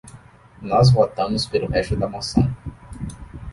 Nós votamos pelo resto da moção.